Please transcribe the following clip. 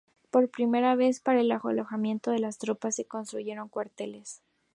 Por primera vez para el alojamiento de las tropas se construyeron cuarteles.